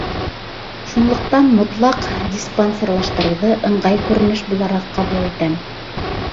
Шунлыҡтан мотлаҡ диспансерлаштырыуҙы ыңғай күренеш булараҡ ҡабул итәм.